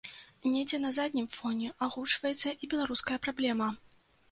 Недзе на заднім фоне агучваецца і беларуская праблема.